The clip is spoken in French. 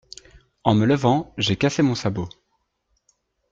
En me levant, j’ai cassé mon sabot.